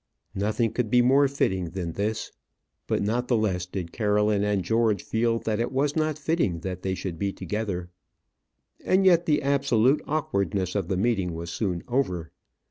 Nothing could be more fitting than this. But not the less did Caroline and George feel that it was not fitting that they should be together. And yet the absolute awkwardness of the meeting was soon over.